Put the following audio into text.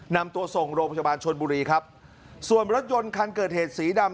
นำตัวส่งโรงพยาบาลชนบุรีครับส่วนรถยนต์คันเกิดเหตุสีดำ